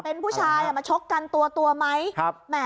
เป็นผู้ชายมาชกกันตัวไหม